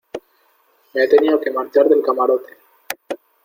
me he tenido que marchar del camarote